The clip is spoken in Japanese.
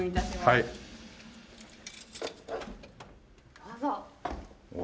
どうぞ。